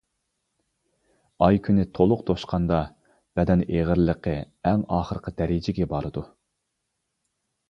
ئاي-كۈنى تولۇق توشقاندا، بەدەن ئېغىرلىقى ئەڭ ئاخىرقى دەرىجىگە بارىدۇ.